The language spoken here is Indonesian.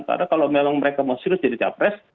karena kalau memang mereka mau serius jadi capres